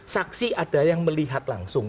saksi ada yang melihat langsung